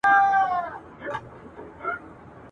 او د لنډو کیسو لیکوال وو ..